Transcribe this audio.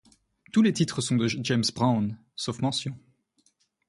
Tous les titres sont de James Brown, sauf mentions.